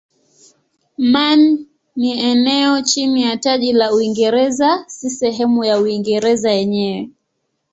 Man ni eneo chini ya taji la Uingereza si sehemu ya Uingereza yenyewe.